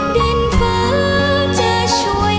ดันฟ้าจะช่วย